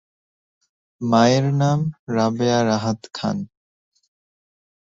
মায়ের নাম রাবেয়া রাহাত খান।